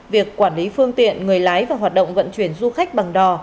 việc quản lý phương tiện người lái và hoạt động vận chuyển du khách bằng đò